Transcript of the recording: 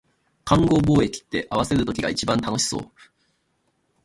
勘合貿易って、合わせる時が一番楽しそう